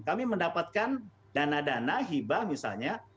kami mendapatkan dana dana hibah misalnya